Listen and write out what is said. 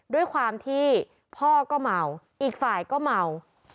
ด้วยความที่พ่อก็เมาอีกฝ่ายก็เมา